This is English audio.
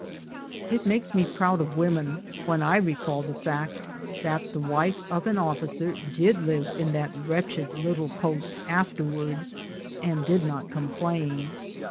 It makes me proud of women when I recall the fact that the wife of an oflicer did live in that wretched little post afterwards, and did not complain.